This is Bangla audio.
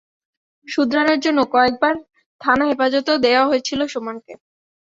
শুধরানোর জন্য কয়েক বার থানা হেফাজতেও দেওয়া হয়েছিল সুমনকে।